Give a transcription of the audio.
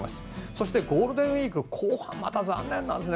そして、ゴールデンウィーク後半また残念なんですね。